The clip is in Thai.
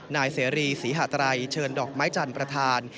นายเสรีศรีหาไตรเชิญดอกไม้จันทร์ประธาน